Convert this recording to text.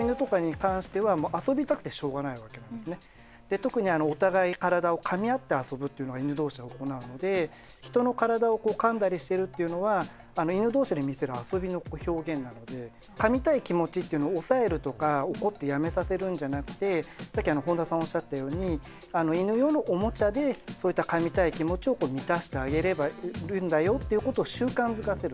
特にお互い体をかみ合って遊ぶというのは犬同士で行うので人の体をかんだりしてるっていうのは犬同士で見せる遊びの表現なのでかみたい気持ちってのを抑えるとか怒ってやめさせるんじゃなくてさっき本田さんおっしゃったように犬用のおもちゃでかみたい気持ちを満たしてあげるんだよっていうことを習慣づかせる。